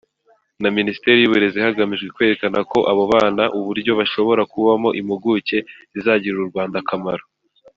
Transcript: na Minisiteri y’Uburezi hagamijwe kwerekana ko abo bana uburyo bashobora kubamo impuguke zizagirira u Rwanda akamaro